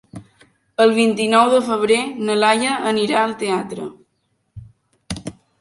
El vint-i-nou de febrer na Laia anirà al teatre.